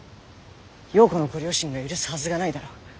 曜子のご両親が許すはずがないだろう。